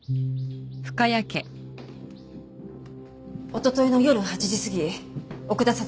おとといの夜８時過ぎ奥田彩